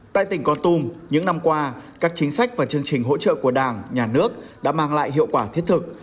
tại tỉnh con tum những năm qua các chính sách và chương trình hỗ trợ của đảng nhà nước đã mang lại hiệu quả thiết thực